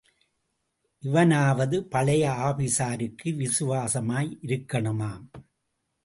இவனாவது பழைய ஆபீஸருக்கு விசுவாசமாய் இருக்கனுமாம்.